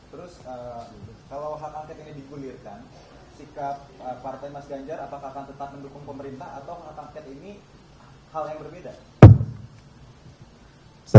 terus kalau hak angket ini digulirkan sikap partai mas ganjar apakah akan tetap mendukung pemerintah atau hak angket ini hal yang berbeda